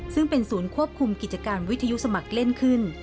ซึ่งเป็นศูนย์ควบคุมกิจการวิทยุสมัครเล่นขึ้น